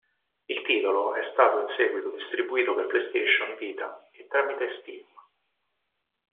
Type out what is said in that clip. Il titolo è stato in seguito distribuito per PlayStation Vita e tramite Steam.